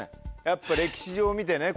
やっぱ歴史上を見てね